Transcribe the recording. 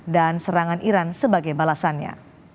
dan serangan iran sebagai balasannya